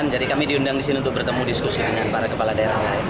jadi kami diundang di sini untuk bertemu diskusi dengan para kepala daerah lain